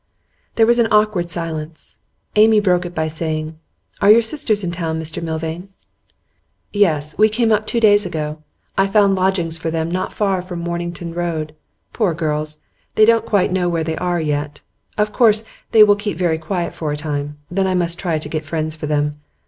There was an awkward silence. Amy broke it by saying: 'Are your sisters in town, Mr Milvain?' 'Yes. We came up two days ago. I found lodgings for them not far from Mornington Road. Poor girls! they don't quite know where they are, yet. Of course they will keep very quiet for a time, then I must try to get friends for them.